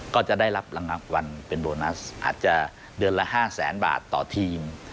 ก็จะได้รับรางวัลเป็นโบนัสอาจจะเดือนละ๕แสนบาทต่อทีม